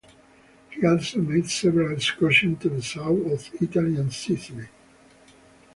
He also made several excursions to the south of Italy and Sicily.